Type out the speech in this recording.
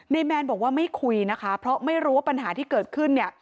แมนบอกว่าไม่คุยนะคะเพราะไม่รู้ว่าปัญหาที่เกิดขึ้นเนี่ย